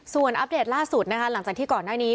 ส่วนอัปเดตล่าสุดนะคะหลังจากที่ก่อนหน้านี้